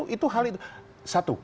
itu hal itu satu